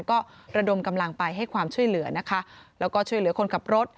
ก็ระดมกำลังไปให้ความช่วยเหลือนะคะแล้วก็ช่วยเหลือคนขับรถ